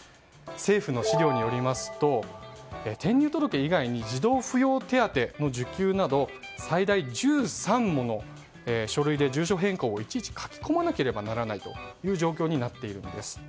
政府の資料によりますと転入届以外に児童扶養手当の受給など最大１３もの書類で住所変更をいちいち書き込まないといけない状況になっているんです。